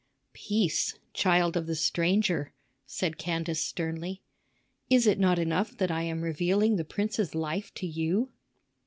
"Peace! child of the stranger," said Candace sternly. "Is it not enough that I am revealing the prince's life to you?"